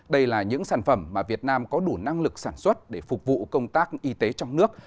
đây là những sản phẩm mà việt nam có đủ năng lực sản xuất để phục vụ công tác y tế trong nước